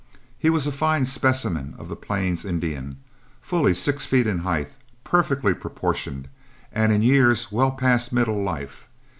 He was a fine specimen of the Plains Indian, fully six feet in height, perfectly proportioned, and in years well past middle life.